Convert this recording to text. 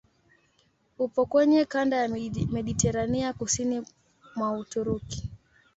Upo kwenye kanda ya Mediteranea kusini mwa Uturuki.